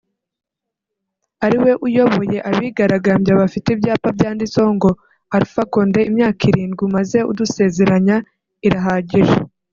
ari we uyoboye abigaragambya bafite ibyapa byanditseho ngo “ Alpha Condé imyaka irindwi umaze udusezeranya irahagije”